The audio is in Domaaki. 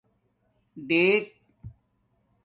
ڈیٔک